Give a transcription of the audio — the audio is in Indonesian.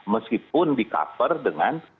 meskipun di cover dengan